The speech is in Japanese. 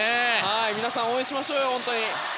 皆さん、応援しましょうよ！